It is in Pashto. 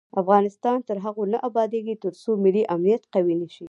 افغانستان تر هغو نه ابادیږي، ترڅو ملي امنیت قوي نشي.